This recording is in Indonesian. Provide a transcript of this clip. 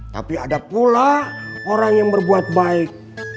tapi ada pula orang yang berbuat baik